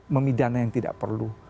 memidana yang tidak perlu